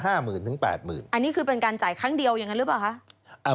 อันนี้คือเป็นการจ่ายครั้งเดียวอย่างนั้นหรือเปล่าคะ